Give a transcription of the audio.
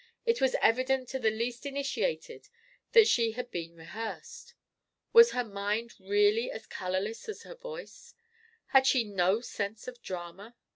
It was evident to the least initiated that she had been rehearsed. Was her mind really as colourless as her voice? Had she no sense of drama?